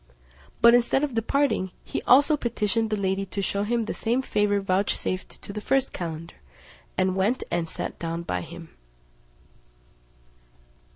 But instead of departing, he also petitioned the lady to shew him the same favour vouchsafed to the first calender, and went and sat down by him.